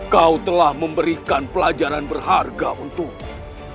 kau telah memberikan pelajaran berharga untukmu